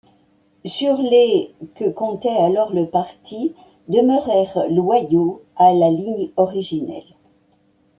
Sur les que comptaient alors le parti demeurèrent loyaux à la ligne originelle.